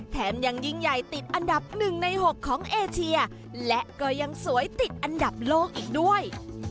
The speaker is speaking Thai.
แถมยังยิ่งใหญ่ติดอันดับ๑ใน๖ของเอเชียและก็ยังสวยติดอันดับโลกอีกด้วย